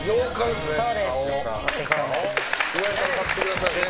岩井さん買ってください。